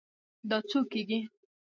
دا څو کیږي؟